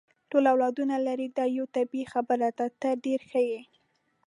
ټول اولادونه لري، دا یوه طبیعي خبره ده، ته ډېره ښه یې.